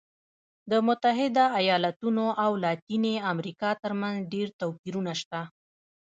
د متحده ایالتونو او لاتینې امریکا ترمنځ ډېر توپیرونه شته.